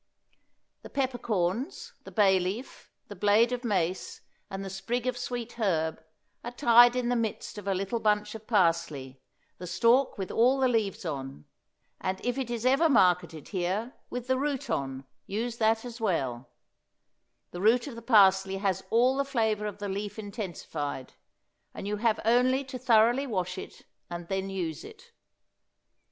The peppercorns, the bay leaf, the blade of mace, and the sprig of sweet herb are tied in the midst of a little bunch of parsley, the stalk with all the leaves on, and if it is ever marketed here with the root on, use that as well; the root of the parsley has all the flavor of the leaf intensified, and you have only to thoroughly wash it, and then use it.